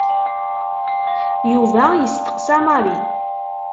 Yuba yesteqsa Mary.